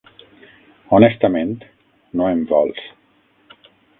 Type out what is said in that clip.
Honestament, no em vols.